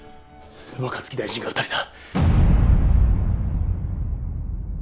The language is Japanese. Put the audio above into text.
若槻大臣が撃たれた。